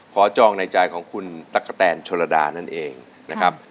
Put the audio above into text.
ขอจองในจ่ายของคุณตะกะแตนชลดานั่นเองนะครับ